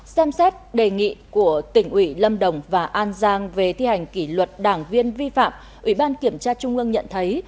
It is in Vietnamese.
xem xét đề nghị của tỉnh ủy lâm đồng và an giang về thi hành kỷ luật đảng viên vi phạm ủy ban kiểm tra trung ương nhận thấy